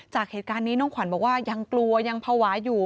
จากเหตุการณ์นี้น้องขวัญบอกว่ายังกลัวยังภาวะอยู่